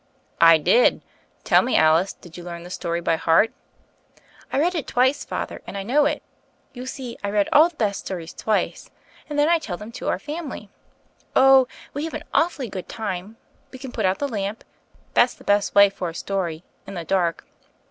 '' "I did. Tell me, Alice, did you learn the story by heart?" "I read it twice. Father, and I know it. You see I read all the best stories twice, and then I tell them to our family. Oh, we have an awfully good time: we can put out the lamp: that's the best way for a story — in the dark.